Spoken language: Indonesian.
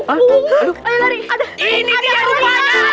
kalau begitu pastiin lagi ya